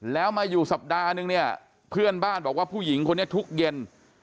แล้วมาอยู่สัปดาห์นึงเนี่ยเพื่อนบ้านบอกว่าผู้หญิงคนนี้ทุกเย็น